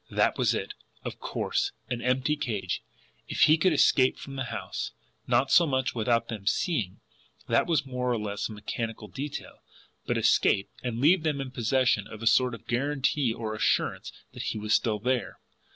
That was it, of course. An empty cage! If he could escape from the house! Not so much without their seeing him; that was more or less a mechanical detail. But escape and leave them in possession of a sort of guarantee or assurance that he was still there!